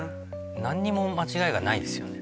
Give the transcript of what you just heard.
何にも間違いがないですよね